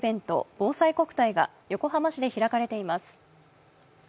ぼうさいこくたいが横浜市で開かれています。